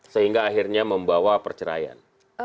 sehingga akhirnya membawa perceraian